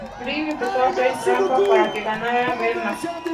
Grim empezó a hacer trampa para que ganara Velma.